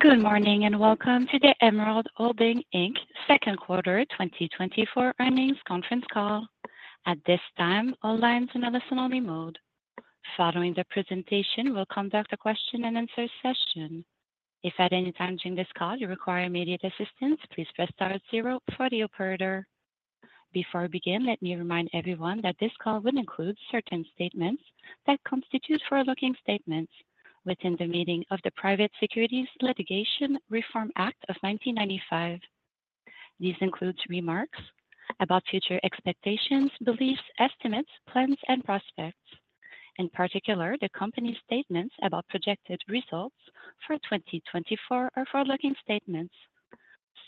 Good morning, and welcome to the Emerald Holding, Inc. second quarter 2024 earnings conference call. At this time, all lines in listen-only mode. Following the presentation, we'll conduct a question-and-answer session. If at any time during this call you require immediate assistance, please press star zero for the operator. Before we begin, let me remind everyone that this call will include certain statements that constitute forward-looking statements within the meaning of the Private Securities Litigation Reform Act of 1995. These include remarks about future expectations, beliefs, estimates, plans, and prospects. In particular, the company's statements about projected results for 2024 are forward-looking statements.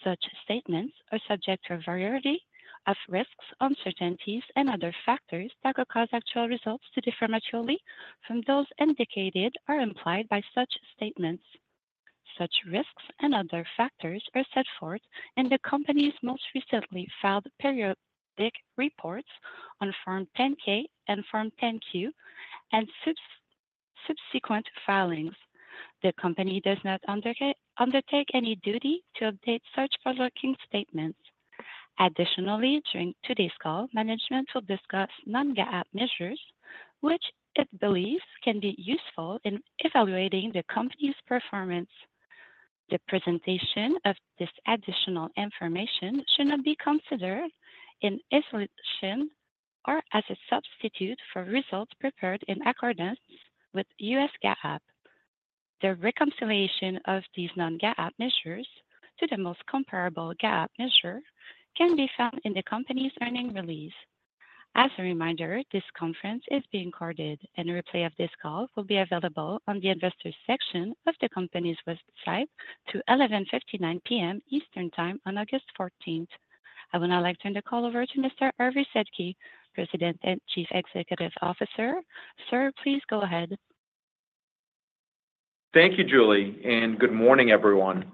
Such statements are subject to a variety of risks, uncertainties, and other factors that could cause actual results to differ materially from those indicated or implied by such statements. Such risks and other factors are set forth in the company's most recently filed periodic reports on Form 10-K and Form 10-Q and subsequent filings. The company does not undertake any duty to update such forward-looking statements. Additionally, during today's call, management will discuss non-GAAP measures, which it believes can be useful in evaluating the company's performance. The presentation of this additional information should not be considered in isolation or as a substitute for results prepared in accordance with U.S. GAAP. The reconciliation of these non-GAAP measures to the most comparable GAAP measure can be found in the company's earnings release. As a reminder, this conference is being recorded, and a replay of this call will be available on the Investors section of the company's website through 11:59 P.M. Eastern Time on August fourteenth. I would now like to turn the call over to Mr. Hervé Sedky, President and Chief Executive Officer. Sir, please go ahead. Thank you, Julie, and good morning, everyone.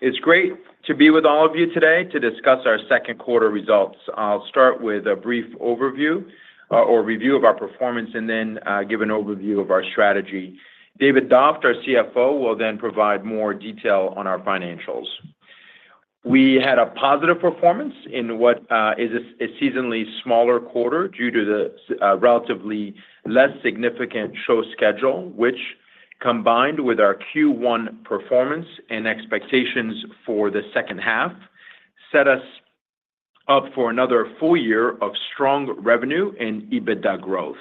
It's great to be with all of you today to discuss our second quarter results. I'll start with a brief overview or review of our performance and then give an overview of our strategy. David Doft, our CFO, will then provide more detail on our financials. We had a positive performance in what is a seasonally smaller quarter due to the relatively less significant show schedule, which, combined with our Q1 performance and expectations for the second half, set us up for another full year of strong revenue and EBITDA growth.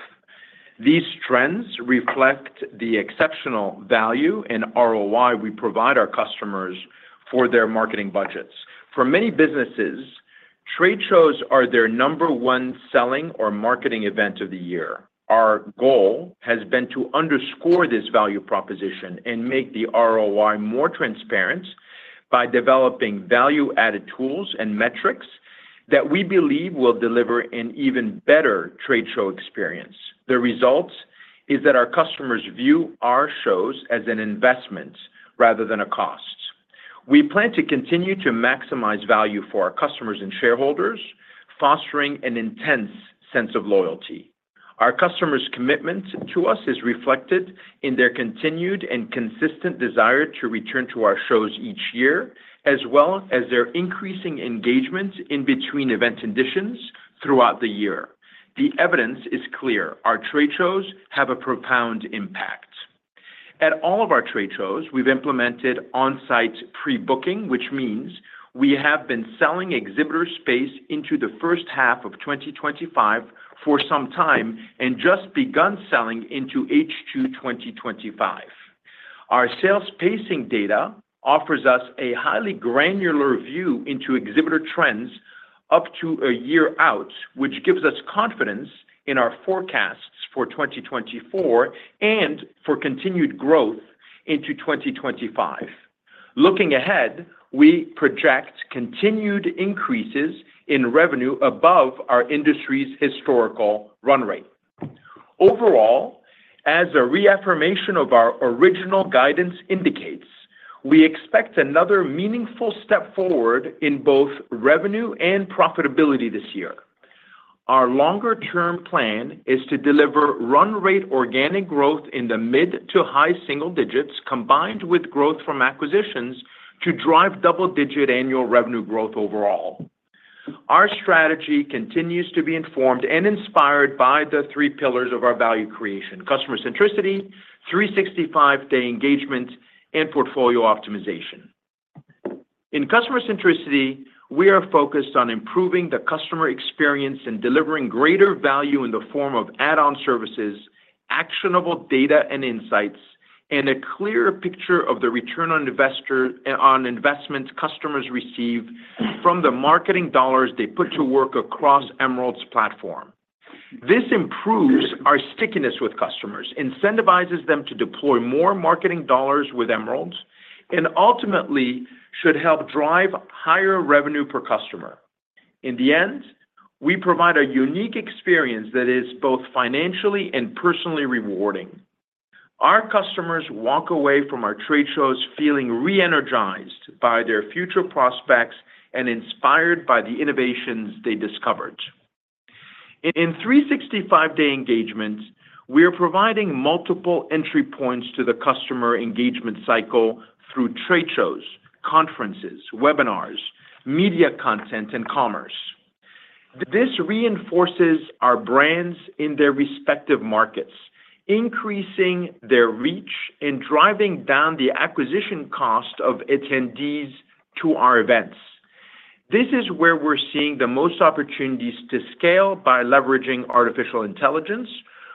These trends reflect the exceptional value and ROI we provide our customers for their marketing budgets. For many businesses, trade shows are their number one selling or marketing event of the year. Our goal has been to underscore this value proposition and make the ROI more transparent by developing value-added tools and metrics that we believe will deliver an even better trade show experience. The result is that our customers view our shows as an investment rather than a cost. We plan to continue to maximize value for our customers and shareholders, fostering an intense sense of loyalty. Our customers' commitment to us is reflected in their continued and consistent desire to return to our shows each year, as well as their increasing engagement in between event conditions throughout the year. The evidence is clear: Our trade shows have a profound impact. At all of our trade shows, we've implemented on-site pre-booking, which means we have been selling exhibitor space into the first half of 2025 for some time, and just begun selling into H2 2025. Our sales pacing data offers us a highly granular view into exhibitor trends up to a year out, which gives us confidence in our forecasts for 2024 and for continued growth into 2025. Looking ahead, we project continued increases in revenue above our industry's historical run rate. Overall, as a reaffirmation of our original guidance indicates, we expect another meaningful step forward in both revenue and profitability this year. Our longer-term plan is to deliver run rate organic growth in the mid to high single digits, combined with growth from acquisitions, to drive double-digit annual revenue growth overall. Our strategy continues to be informed and inspired by the three pillars of our value creation: customer centricity, 365-day engagement, and portfolio optimization. In customer centricity, we are focused on improving the customer experience and delivering greater value in the form of add-on services, actionable data and insights, and a clearer picture of the return on investor... on investments customers receive from the marketing dollars they put to work across Emerald's platform. This improves our stickiness with customers, incentivizes them to deploy more marketing dollars with Emerald, and ultimately should help drive higher revenue per customer. In the end, we provide a unique experience that is both financially and personally rewarding. Our customers walk away from our trade shows feeling re-energized by their future prospects and inspired by the innovations they discovered. In 365-day engagements, we are providing multiple entry points to the customer engagement cycle through trade shows, conferences, webinars, media content, and commerce. This reinforces our brands in their respective markets, increasing their reach and driving down the acquisition cost of attendees to our events. This is where we're seeing the most opportunities to scale by leveraging artificial intelligence,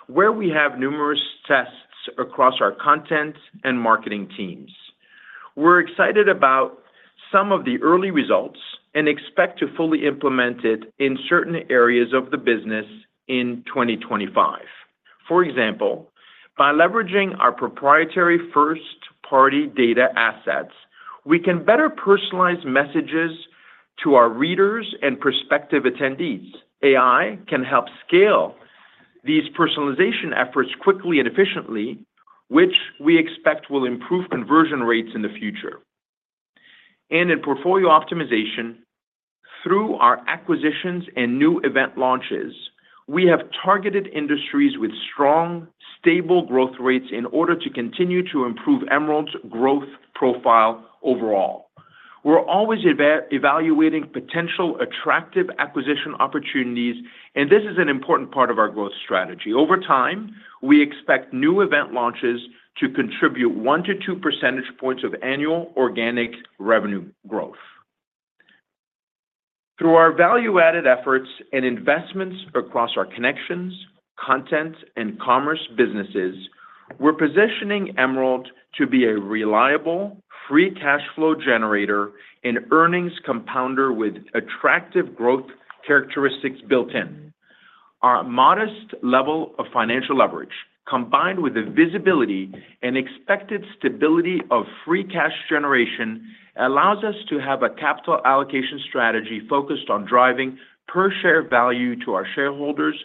where we have numerous tests across our content and marketing teams. We're excited about some of the early results and expect to fully implement it in certain areas of the business in 2025. For example, by leveraging our proprietary first-party data assets, we can better personalize messages to our readers and prospective attendees. AI can help scale these personalization efforts quickly and efficiently, which we expect will improve conversion rates in the future. And in portfolio optimization, through our acquisitions and new event launches, we have targeted industries with strong, stable growth rates in order to continue to improve Emerald's growth profile overall. We're always evaluating potential attractive acquisition opportunities, and this is an important part of our growth strategy. Over time, we expect new event launches to contribute 1-2 percentage points of annual organic revenue growth. Through our value-added efforts and investments across our connections, content, and commerce businesses, we're positioning Emerald to be a reliable, free cash flow generator and earnings compounder with attractive growth characteristics built in. Our modest level of financial leverage, combined with the visibility and expected stability of free cash generation, allows us to have a capital allocation strategy focused on driving per share value to our shareholders,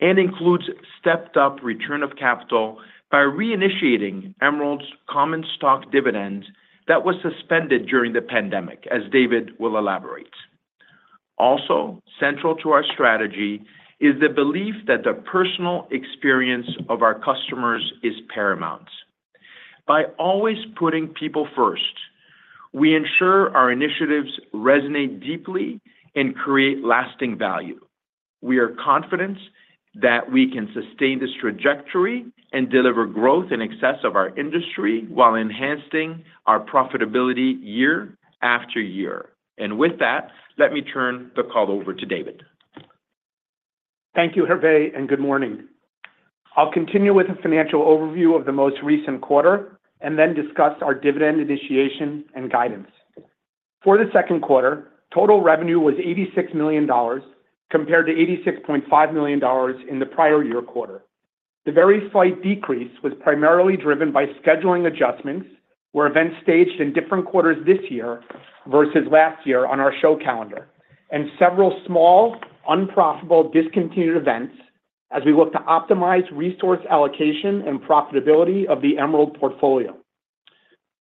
and includes stepped up return of capital by reinitiating Emerald's common stock dividend that was suspended during the pandemic, as David will elaborate. Also, central to our strategy is the belief that the personal experience of our customers is paramount. By always putting people first, we ensure our initiatives resonate deeply and create lasting value. We are confident that we can sustain this trajectory and deliver growth in excess of our industry while enhancing our profitability year after year. With that, let me turn the call over to David. Thank you, Hervé, and good morning. I'll continue with a financial overview of the most recent quarter and then discuss our dividend initiation and guidance. For the second quarter, total revenue was $86 million, compared to $86.5 million in the prior year quarter. The very slight decrease was primarily driven by scheduling adjustments, where events staged in different quarters this year versus last year on our show calendar, and several small, unprofitable, discontinued events as we look to optimize resource allocation and profitability of the Emerald portfolio.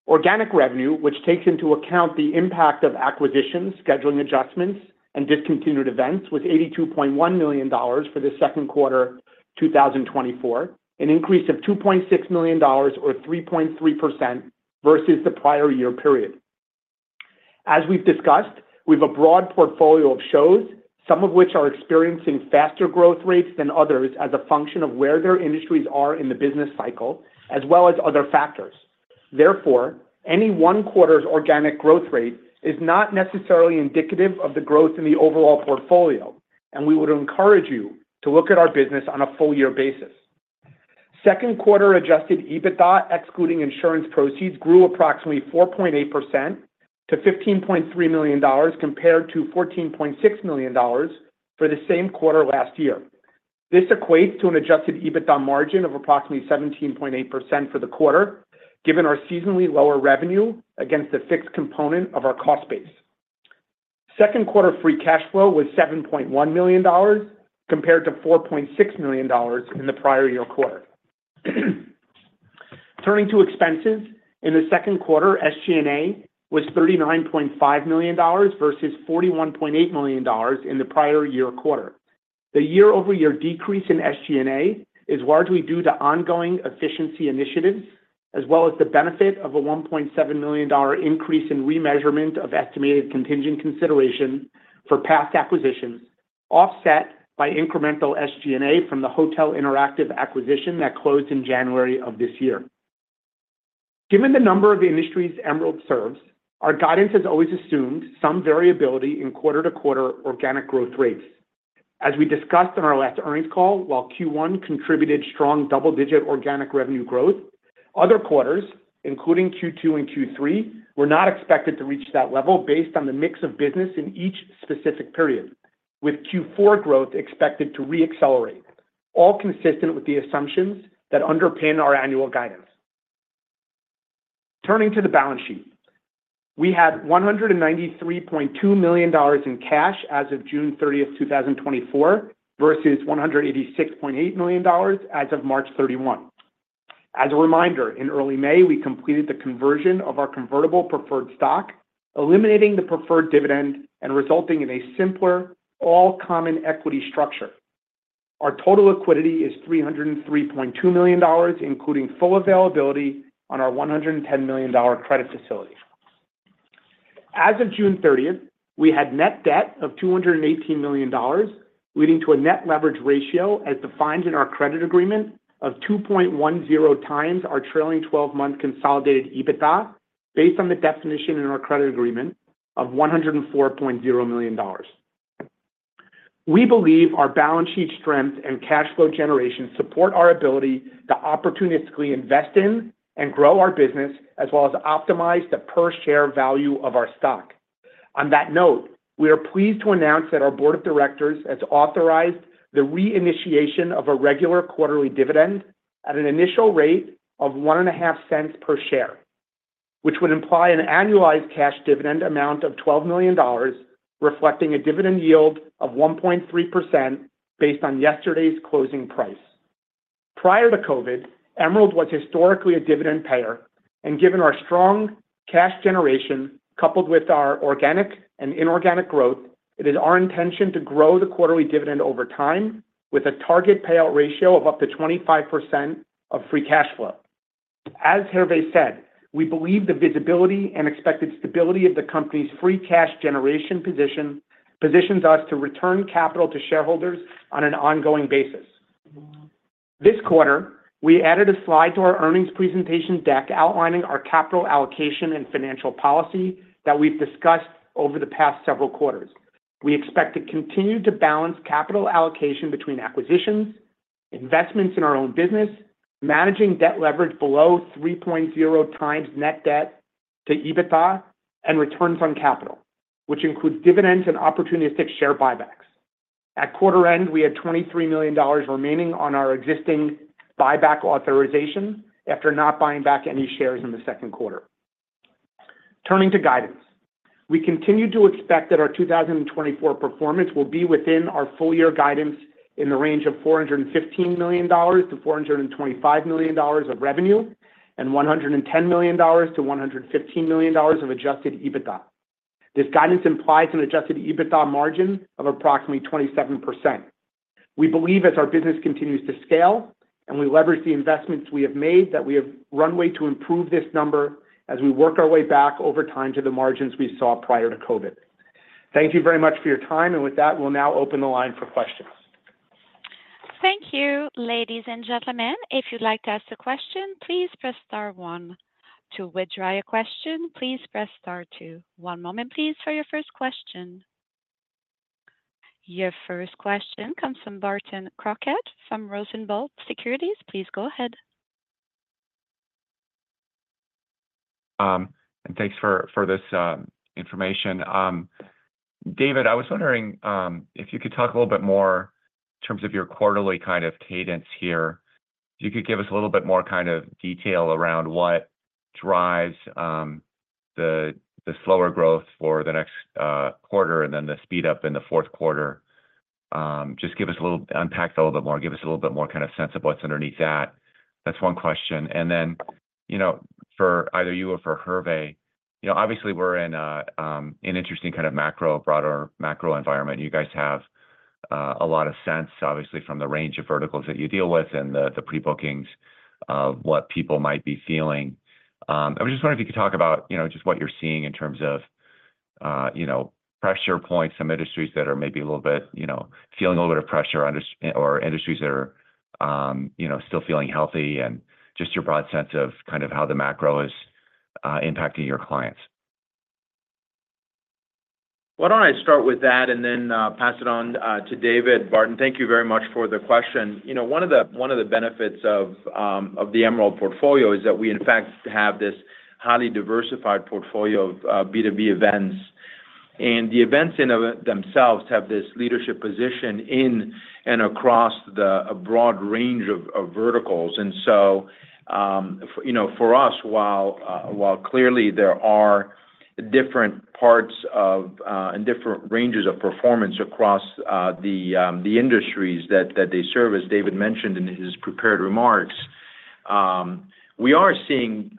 Organic revenue, which takes into account the impact of acquisitions, scheduling adjustments, and discontinued events, was $82.1 million for the second quarter 2024, an increase of $2.6 million, or 3.3% versus the prior year period. As we've discussed, we have a broad portfolio of shows, some of which are experiencing faster growth rates than others as a function of where their industries are in the business cycle, as well as other factors. Therefore, any one quarter's organic growth rate is not necessarily indicative of the growth in the overall portfolio, and we would encourage you to look at our business on a full year basis. Second quarter Adjusted EBITDA, excluding insurance proceeds, grew approximately 4.8% to $15.3 million, compared to $14.6 million for the same quarter last year. This equates to an Adjusted EBITDA margin of approximately 17.8% for the quarter, given our seasonally lower revenue against the fixed component of our cost base. Second quarter free cash flow was $7.1 million, compared to $4.6 million in the prior year quarter. Turning to expenses. In the second quarter, SG&A was $39.5 million versus $41.8 million in the prior year quarter. The year-over-year decrease in SG&A is largely due to ongoing efficiency initiatives, as well as the benefit of a $1.7 million increase in remeasurement of estimated contingent consideration for past acquisitions, offset by incremental SG&A from the Hotel Interactive acquisition that closed in January of this year. Given the number of the industries Emerald serves, our guidance has always assumed some variability in quarter-to-quarter organic growth rates. As we discussed on our last earnings call, while Q1 contributed strong double-digit organic revenue growth, other quarters, including Q2 and Q3, were not expected to reach that level based on the mix of business in each specific period, with Q4 growth expected to re-accelerate, all consistent with the assumptions that underpin our annual guidance. Turning to the balance sheet. We had $193.2 million in cash as of June 30, 2024, versus $186.8 million as of March 31, 2024. As a reminder, in early May, we completed the conversion of our convertible preferred stock, eliminating the preferred dividend and resulting in a simpler, all common equity structure. Our total liquidity is $303.2 million, including full availability on our $110 million credit facility. As of June 30th, we had net debt of $218 million, leading to a net leverage ratio as defined in our credit agreement of 2.10x our trailing twelve-month consolidated EBITDA, based on the definition in our credit agreement of $104.0 million. We believe our balance sheet strength and cash flow generation support our ability to opportunistically invest in and grow our business, as well as optimize the per share value of our stock. On that note, we are pleased to announce that our board of directors has authorized the reinitiation of a regular quarterly dividend at an initial rate of $0.015 per share, which would imply an annualized cash dividend amount of $12 million, reflecting a dividend yield of 1.3% based on yesterday's closing price. Prior to COVID, Emerald was historically a dividend payer, and given our strong cash generation, coupled with our organic and inorganic growth, it is our intention to grow the quarterly dividend over time with a target payout ratio of up to 25% of free cash flow. As Hervé said, we believe the visibility and expected stability of the company's free cash generation positions us to return capital to shareholders on an ongoing basis. This quarter, we added a slide to our earnings presentation deck outlining our capital allocation and financial policy that we've discussed over the past several quarters. We expect to continue to balance capital allocation between acquisitions, investments in our own business, managing debt leverage below 3.0x net debt to EBITDA, and returns on capital, which includes dividends and opportunistic share buybacks. At quarter end, we had $23 million remaining on our existing buyback authorization after not buying back any shares in the second quarter. Turning to guidance. We continue to expect that our 2024 performance will be within our full year guidance in the range of $415 million-$425 million of revenue, and $110 million-$115 million of adjusted EBITDA. This guidance implies an adjusted EBITDA margin of approximately 27%. We believe as our business continues to scale and we leverage the investments we have made, that we have runway to improve this number as we work our way back over time to the margins we saw prior to COVID. Thank you very much for your time, and with that, we'll now open the line for questions. Thank you, ladies and gentlemen. If you'd like to ask a question, please press star one. To withdraw your question, please press star two. One moment, please, for your first question. Your first question comes from Barton Crockett, from Rosenblatt Securities. Please go ahead. And thanks for this information. David, I was wondering if you could talk a little bit more in terms of your quarterly kind of cadence here. If you could give us a little bit more kind of detail around what drives the slower growth for the next quarter and then the speed up in the fourth quarter. Just unpack that a little bit more, and give us a little bit more kind of sense of what's underneath that. That's one question. And then, you know, for either you or for Hervé, you know, obviously, we're in an interesting kind of macro, broader macro environment. You guys have a lot of sense, obviously, from the range of verticals that you deal with and the pre-bookings of what people might be feeling. I was just wondering if you could talk about, you know, just what you're seeing in terms of, you know, pressure points from industries that are maybe a little bit, you know, feeling a little bit of pressure or industries that are, you know, still feeling healthy and just your broad sense of kind of how the macro is impacting your clients. Why don't I start with that and then, pass it on, to David. Barton, thank you very much for the question. You know, one of the, one of the benefits of, of the Emerald portfolio is that we, in fact, have this highly diversified portfolio of, B2B events, and the events in and of themselves have this leadership position in and across the, a broad range of, of verticals. And so, you know, for us, while, while clearly there are different parts of, and different ranges of performance across, the, the industries that, that they serve, as David mentioned in his prepared remarks, we are seeing,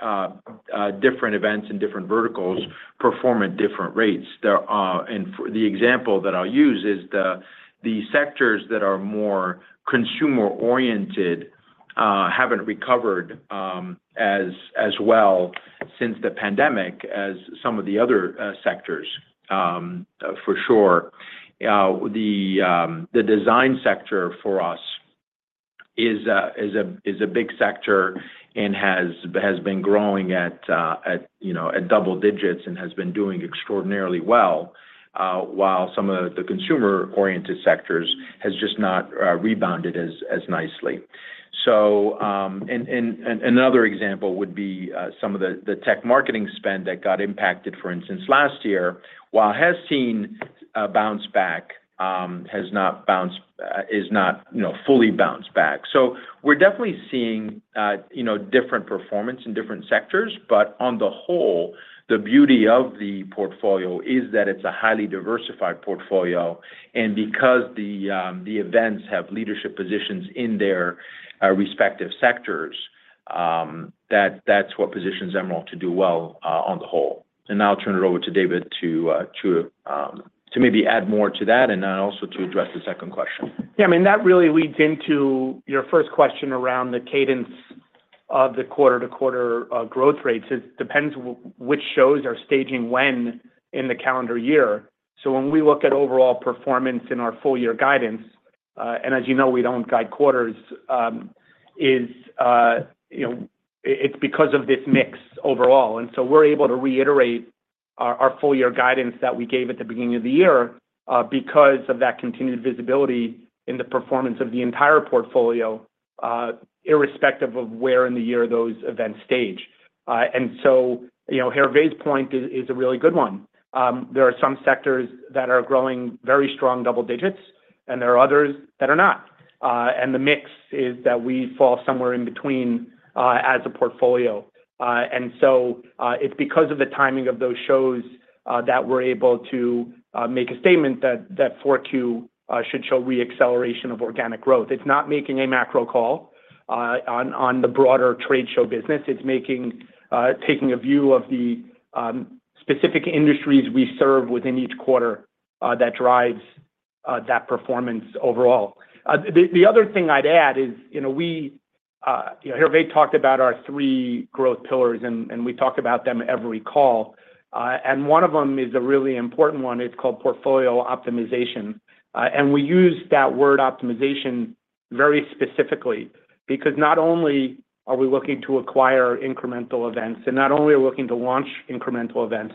different events and different verticals perform at different rates. There are, and for the example that I'll use is the sectors that are more consumer-oriented, haven't recovered, as well since the pandemic as some of the other, sectors, for sure. The design sector for us is a big sector and has been growing at, you know, at double digits and has been doing extraordinarily well, while some of the consumer-oriented sectors has just not, rebounded as nicely. So, and another example would be, some of the tech marketing spend that got impacted, for instance, last year, while has seen a bounce back, has not bounced, is not, you know, fully bounced back. So we're definitely seeing, you know, different performance in different sectors, but on the whole, the beauty of the portfolio is that it's a highly diversified portfolio, and because the events have leadership positions in their respective sectors-... that's what positions Emerald to do well on the whole. And now I'll turn it over to David to maybe add more to that, and then also to address the second question. Yeah, I mean, that really leads into your first question around the cadence of the quarter-to-quarter growth rates. It depends which shows are staging when in the calendar year. So when we look at overall performance in our full year guidance, and as you know, we don't guide quarters, you know, it's because of this mix overall. And so we're able to reiterate our full year guidance that we gave at the beginning of the year, because of that continued visibility in the performance of the entire portfolio, irrespective of where in the year those events stage. And so, you know, Hervé's point is a really good one. There are some sectors that are growing very strong double digits, and there are others that are not. And the mix is that we fall somewhere in between, as a portfolio. And so, it's because of the timing of those shows, that we're able to, make a statement that, that Q4, should show reacceleration of organic growth. It's not making a macro call, on, on the broader trade show business. It's taking a view of the, specific industries we serve within each quarter, that drives, that performance overall. The other thing I'd add is, you know, you know, Hervé talked about our three growth pillars, and, and we talk about them every call. And one of them is a really important one, it's called portfolio optimization. We use that word optimization very specifically, because not only are we looking to acquire incremental events, and not only are we looking to launch incremental events,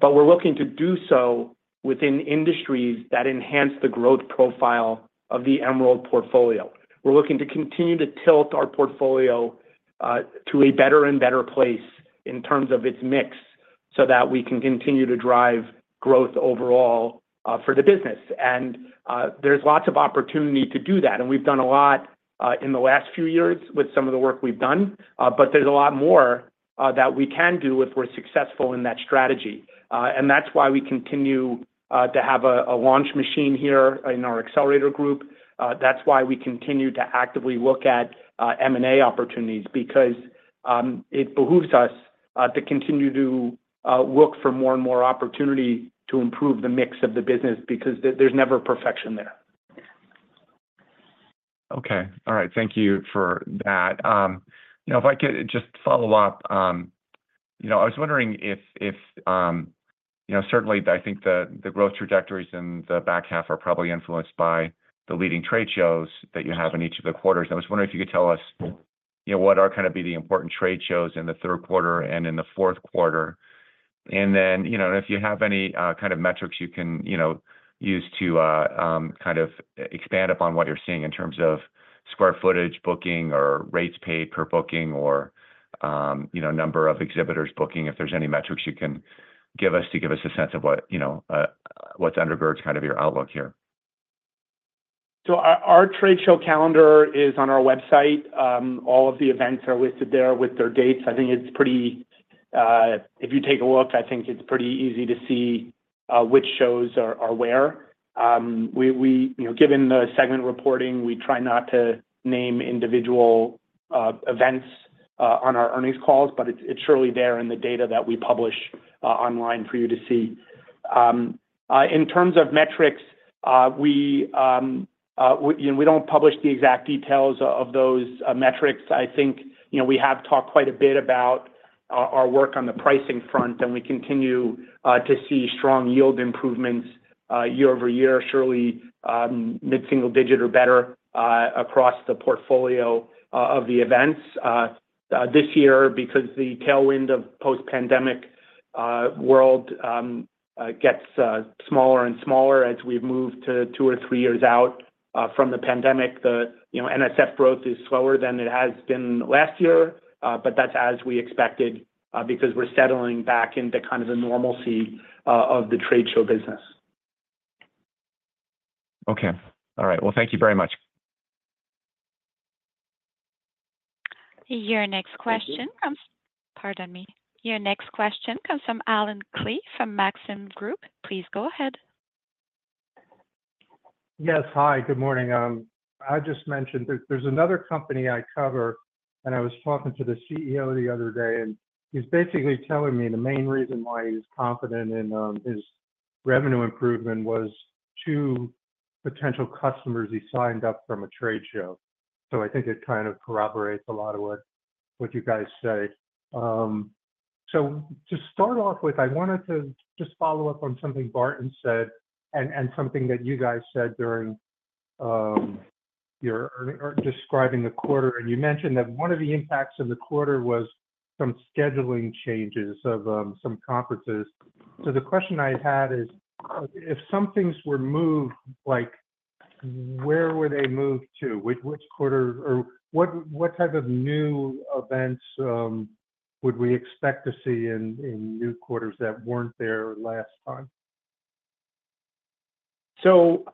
but we're looking to do so within industries that enhance the growth profile of the Emerald portfolio. We're looking to continue to tilt our portfolio to a better and better place in terms of its mix, so that we can continue to drive growth overall for the business. There's lots of opportunity to do that, and we've done a lot in the last few years with some of the work we've done, but there's a lot more that we can do if we're successful in that strategy. That's why we continue to have a launch machine here in our accelerator group. That's why we continue to actively look at M&A opportunities, because it behooves us to continue to look for more and more opportunity to improve the mix of the business, because there's never perfection there. Okay. All right. Thank you for that. You know, if I could just follow up, you know, I was wondering if you could tell us, you know, certainly, I think the growth trajectories in the back half are probably influenced by the leading trade shows that you have in each of the quarters. I was wondering if you could tell us, you know, what are the important trade shows in the third quarter and in the fourth quarter? And then, you know, if you have any kind of metrics you can, you know, use to kind of expand upon what you're seeing in terms of square footage, booking, or rates paid per booking or, you know, number of exhibitors booking. If there's any metrics you can give us to give us a sense of what, you know, what undergirds kind of your outlook here. So our trade show calendar is on our website. All of the events are listed there with their dates. I think it's pretty. If you take a look, I think it's pretty easy to see which shows are where. We you know, given the segment reporting, we try not to name individual events on our earnings calls, but it's surely there in the data that we publish online for you to see. In terms of metrics, we you know, we don't publish the exact details of those metrics. I think, you know, we have talked quite a bit about our work on the pricing front, and we continue to see strong yield improvements year-over-year, surely, mid-single digit or better, across the portfolio of the events. This year, because the tailwind of post-pandemic world gets smaller and smaller as we've moved to two or three years out from the pandemic, the, you know, NSF growth is slower than it has been last year, but that's as we expected, because we're settling back into kind of the normalcy of the trade show business. Okay. All right. Well, thank you very much. Your next question comes. Pardon me. Your next question comes from Allen Klee from Maxim Group. Please go ahead. Yes. Hi, good morning. I just mentioned there, there's another company I cover, and I was talking to the CEO the other day, and he's basically telling me the main reason why he's confident in his revenue improvement was two potential customers he signed up from a trade show. So I think it kind of corroborates a lot of what you guys say. So to start off with, I wanted to just follow up on something Barton said and something that you guys said during describing the quarter, and you mentioned that one of the impacts of the quarter was some scheduling changes of some conferences. So the question I had is: If some things were moved, like, where were they moved to? Which quarter or what type of new events would we expect to see in new quarters that weren't there last time? So,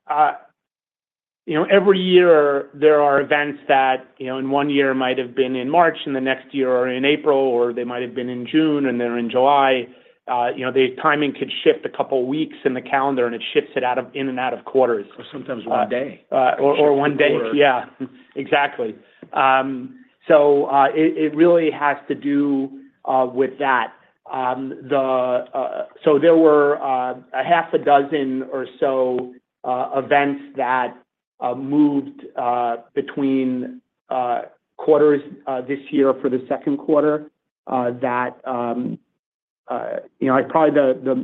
you know, every year there are events that, you know, in one year might have been in March, and the next year are in April, or they might have been in June and they're in July. You know, the timing could shift a couple of weeks in the calendar, and it shifts it in and out of quarters. Or sometimes one day. or one day. Yeah, exactly. So it really has to do with that. So there were a half a dozen or so events that moved between quarters this year for the second quarter, you know, probably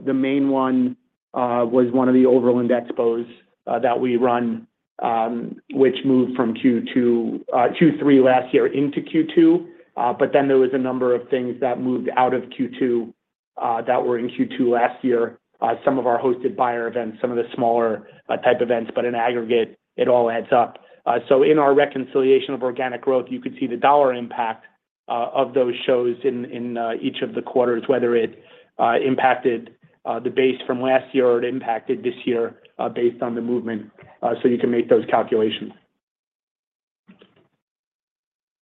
the main one was one of the Overland Expos that we run, which moved from Q2 Q3 last year into Q2. But then there was a number of things that moved out of Q2 that were in Q2 last year. Some of our hosted buyer events, some of the smaller type events, but in aggregate, it all adds up. So, in our reconciliation of organic growth, you could see the dollar impact of those shows in each of the quarters, whether it impacted the base from last year or it impacted this year, based on the movement, so you can make those calculations.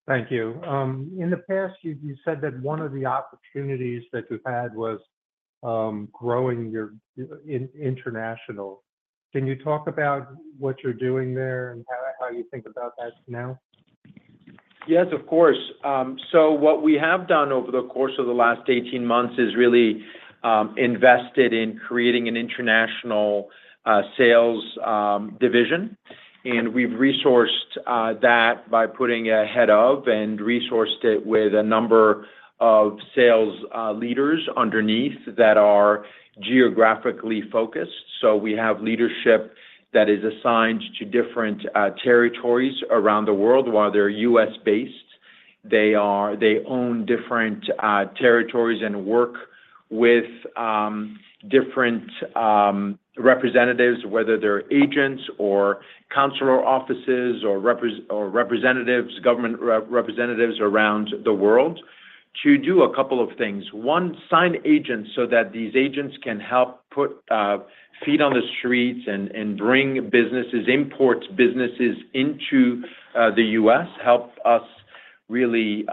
Thank you. In the past, you said that one of the opportunities that you've had was growing your international. Can you talk about what you're doing there and how you think about that now? Yes, of course. So what we have done over the course of the last 18 months is really invested in creating an international sales division. And we've resourced that by putting a head of and resourced it with a number of sales leaders underneath that are geographically focused. So we have leadership that is assigned to different territories around the world. While they're US-based, they own different territories and work with different representatives, whether they're agents or consular offices, or representatives, government representatives around the world, to do a couple of things. One, sign agents so that these agents can help put feet on the streets and bring businesses, import businesses into the US, help us really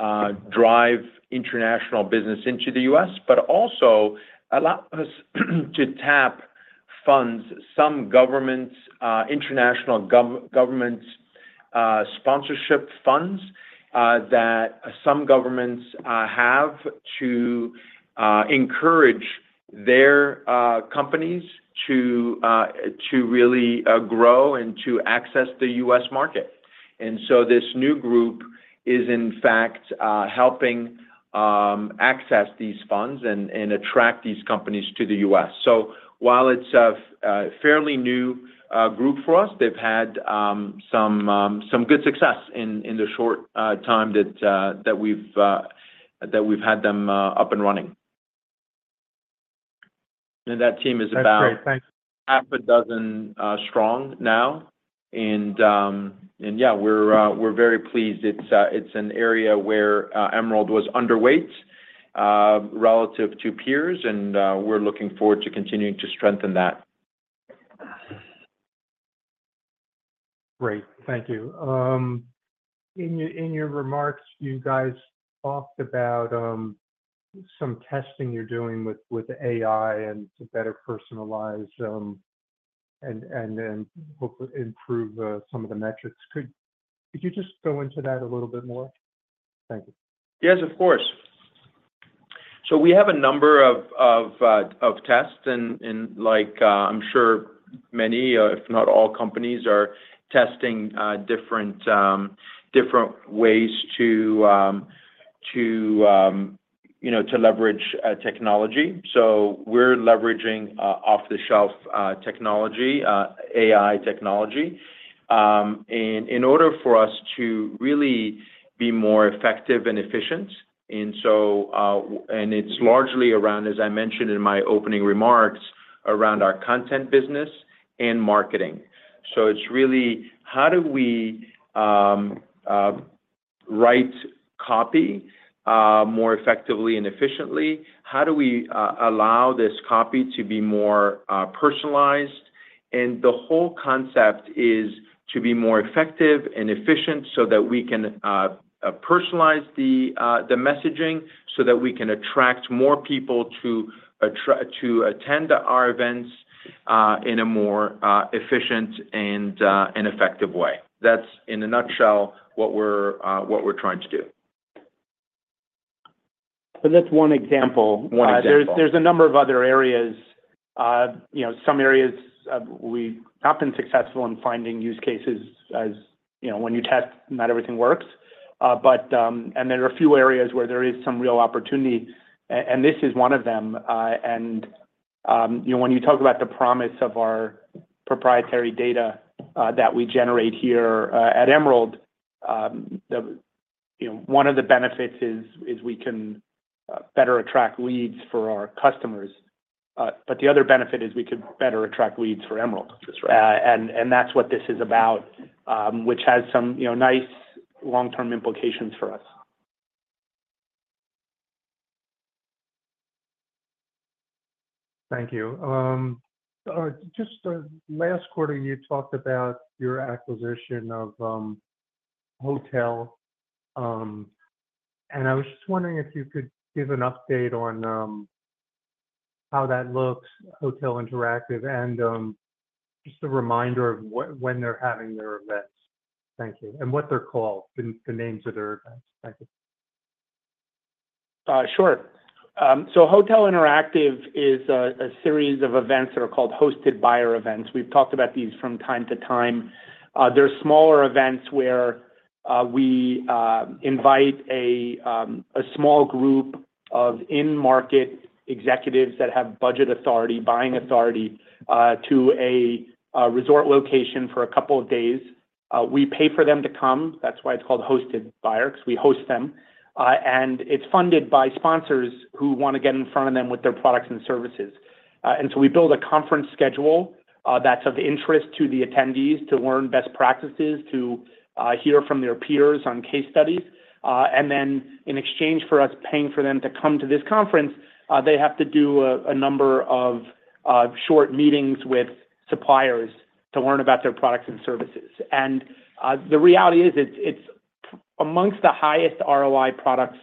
drive international business into the US, but also allow us to tap funds, some governments, international governments, sponsorship funds that some governments have to encourage their companies to really grow and to access the US market. And so this new group is, in fact, helping access these funds and attract these companies to the US. So while it's a fairly new group for us, they've had some good success in the short time that we've had them up and running. And that team is about- That's great. Thanks... half a dozen strong now. And yeah, we're very pleased. It's an area where Emerald was underweight relative to peers, and we're looking forward to continuing to strengthen that. Great. Thank you. In your remarks, you guys talked about some testing you're doing with AI and to better personalize and hopefully improve some of the metrics. Could you just go into that a little bit more? Thank you. Yes, of course. So we have a number of tests, and like, I'm sure many, if not all companies are testing different ways to, you know, to leverage technology. So we're leveraging off-the-shelf technology, AI technology, and in order for us to really be more effective and efficient. So, it's largely around, as I mentioned in my opening remarks, around our content business and marketing. So it's really: how do we write copy more effectively and efficiently? How do we allow this copy to be more personalized? And the whole concept is to be more effective and efficient so that we can personalize the messaging, so that we can attract more people to attend our events in a more efficient and an effective way. That's, in a nutshell, what we're trying to do. That's one example. One example. There's a number of other areas. You know, some areas we've not been successful in finding use cases, as you know, when you test, not everything works. But there are a few areas where there is some real opportunity, and this is one of them. And you know, when you talk about the promise of our proprietary data that we generate here at Emerald, you know, one of the benefits is we can better attract leads for our customers. But the other benefit is we could better attract leads for Emerald. That's right. That's what this is about, which has some, you know, nice long-term implications for us. ... Thank you. Just last quarter, you talked about your acquisition of Hotel Interactive, and I was just wondering if you could give an update on how that looks, Hotel Interactive, and just a reminder of when they're having their events. Thank you. And what they're called, the names of their events. Thank you. Sure. So Hotel Interactive is a series of events that are called hosted buyer events. We've talked about these from time to time. They're smaller events where we invite a small group of in-market executives that have budget authority, buying authority, to a resort location for a couple of days. We pay for them to come. That's why it's called hosted buyer, because we host them. And it's funded by sponsors who want to get in front of them with their products and services. And so we build a conference schedule that's of interest to the attendees to learn best practices, to hear from their peers on case studies. And then, in exchange for us paying for them to come to this conference, they have to do a number of short meetings with suppliers to learn about their products and services. And, the reality is, it's amongst the highest ROI products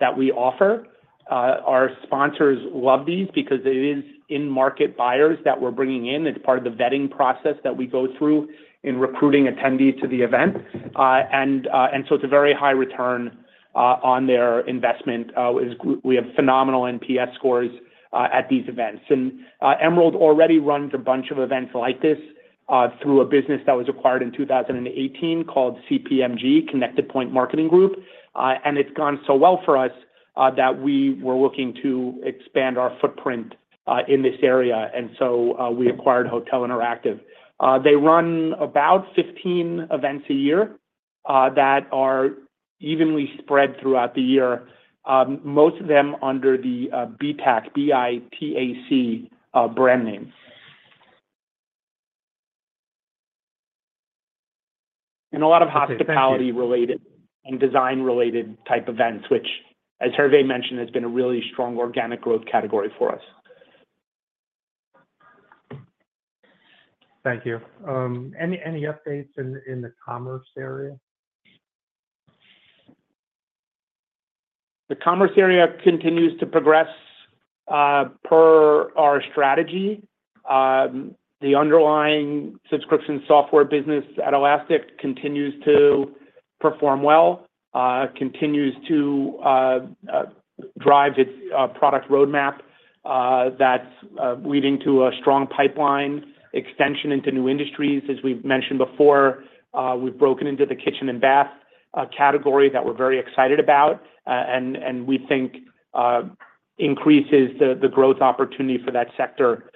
that we offer. Our sponsors love these because it is in-market buyers that we're bringing in. It's part of the vetting process that we go through in recruiting attendees to the event. And, and so it's a very high return on their investment. We have phenomenal NPS scores at these events. And, Emerald already runs a bunch of events like this, through a business that was acquired in 2018 called CPMG, Connected Point Marketing Group. And it's gone so well for us that we were looking to expand our footprint in this area, and so we acquired Hotel Interactive. They run about 15 events a year that are evenly spread throughout the year, most of them under the BITAC, B-I-T-A-C, brand name. And a lot of- Okay. Thank you.... hospitality-related and design-related type events, which, as Hervé mentioned, has been a really strong organic growth category for us. Thank you. Any updates in the commerce area? The commerce area continues to progress per our strategy. The underlying subscription software business at Elastic continues to perform well, continues to drive its product roadmap, that's leading to a strong pipeline extension into new industries. As we've mentioned before, we've broken into the kitchen and bath category that we're very excited about, and we think increases the growth opportunity for that sector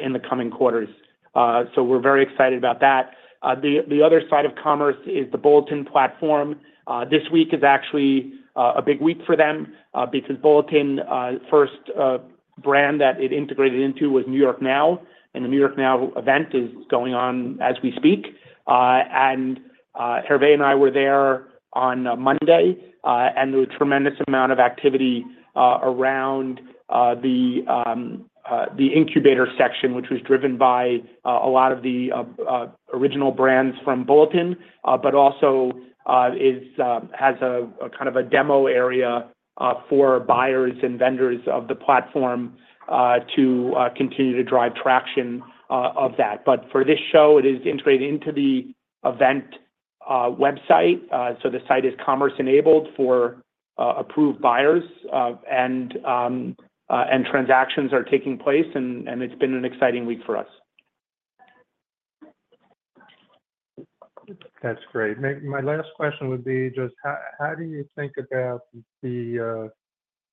in the coming quarters. So we're very excited about that. The other side of commerce is the Bulletin platform. This week is actually a big week for them, because Bulletin first brand that it integrated into was New York Now, and the New York Now event is going on as we speak. And Hervé and I were there on Monday, and there was a tremendous amount of activity around the incubator section, which was driven by a lot of the original brands from Bulletin, but also has a kind of demo area for buyers and vendors of the platform to continue to drive traction of that. But for this show, it is integrated into the event website. So the site is commerce-enabled for approved buyers, and transactions are taking place, and it's been an exciting week for us. That's great. My last question would be just how do you think about the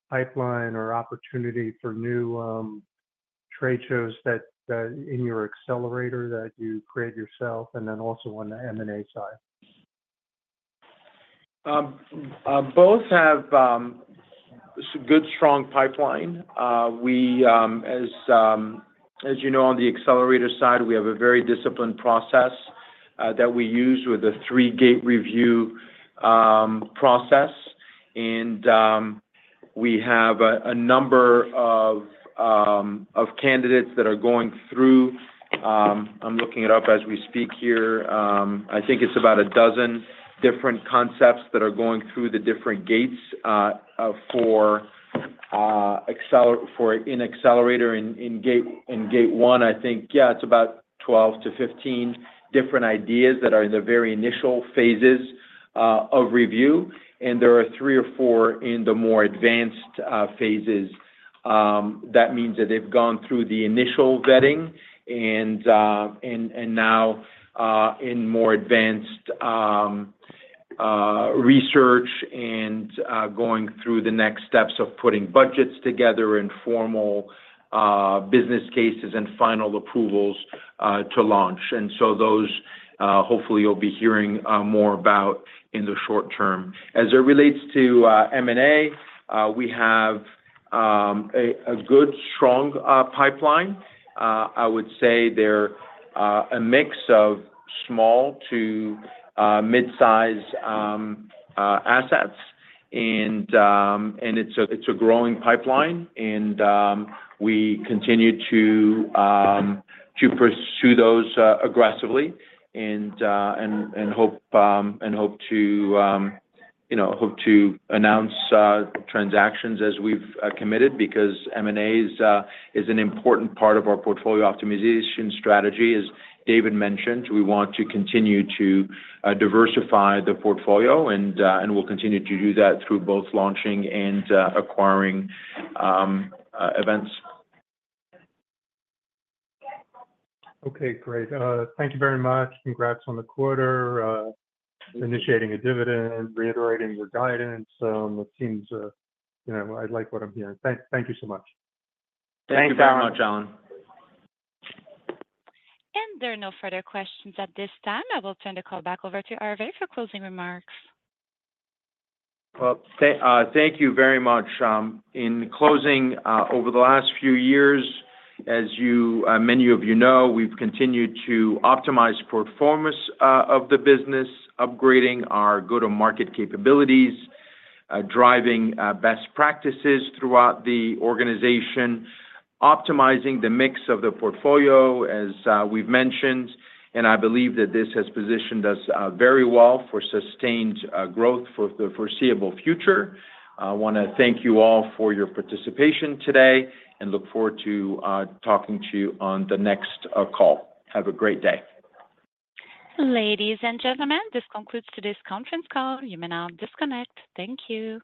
pipeline or opportunity for new trade shows that in your accelerator that you create yourself, and then also on the M&A side? Both have some good, strong pipeline. As you know, on the accelerator side, we have a very disciplined process that we use with a 3-gate review process. We have a number of candidates that are going through... I'm looking it up as we speak here. I think it's about a dozen different concepts that are going through the different gates for the accelerator in gate one, I think. Yeah, it's about 12-15 different ideas that are in the very initial phases of review, and there are 3 or 4 in the more advanced phases. That means that they've gone through the initial vetting and now in more advanced research and going through the next steps of putting budgets together in formal business cases and final approvals to launch. So those, hopefully you'll be hearing more about in the short term. As it relates to M&A, we have a good, strong pipeline. I would say they're a mix of small to mid-size assets, and it's a growing pipeline, and we continue to pursue those aggressively, and hope to, you know, announce transactions as we've committed, because M&A is an important part of our portfolio optimization strategy. As David mentioned, we want to continue to diversify the portfolio, and we'll continue to do that through both launching and acquiring events. Okay, great. Thank you very much. Congrats on the quarter, initiating a dividend, reiterating your guidance. It seems, you know, I like what I'm hearing. Thank, thank you so much. Thank you. Thanks very much, John. And there are no further questions at this time. I will turn the call back over to Hervé for closing remarks. Well, thank you very much. In closing, over the last few years, as you, many of you know, we've continued to optimize performance of the business, upgrading our go-to-market capabilities, driving best practices throughout the organization, optimizing the mix of the portfolio, as we've mentioned, and I believe that this has positioned us very well for sustained growth for the foreseeable future. I want to thank you all for your participation today and look forward to talking to you on the next call. Have a great day. Ladies and gentlemen, this concludes today's conference call. You may now disconnect. Thank you.